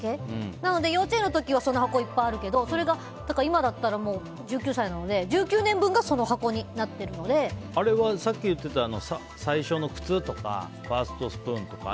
なので幼稚園の時はその箱いっぱいあるけどそれが今だったら１９歳なのでさっき言ってた最初の靴とかファーストスプーンとか。